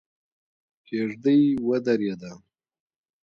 کېږدۍ ودرېده.